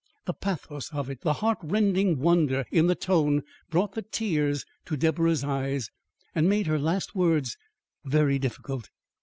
The pathos of it the heart rending wonder in the tone brought the tears to Deborah's eyes and made her last words very difficult.